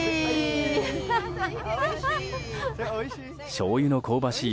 しょうゆの香ばしい